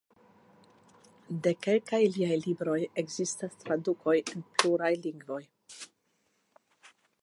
De kelkaj liaj libroj ekzistas tradukoj en plurajn lingvojn.